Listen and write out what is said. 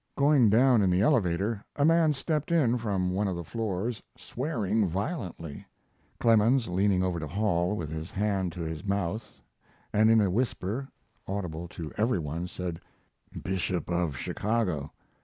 Going down in the elevator a man stepped in from one of the floors swearing violently. Clemens, leaning over to Hall, with his hand to his mouth, and in a whisper audible to every one, said: "Bishop of Chicago."